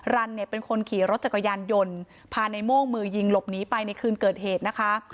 รันเนี่ยเป็นคนขี่รถจักรยานยนต์พาในโม่งมือยิงหลบหนีไปในคืนเกิดเหตุนะคะ